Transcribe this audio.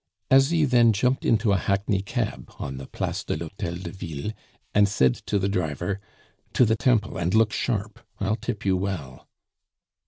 Asie then jumped into a hackney cab on the Place de l'Hotel de Ville, and said to the driver, "To the Temple, and look sharp, I'll tip you well."